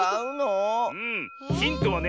ヒントはね